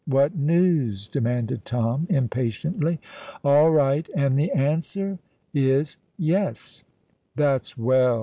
"What news?" demanded Tom impatiently. "All right——" "And the answer?" "Is yes." "That's well!"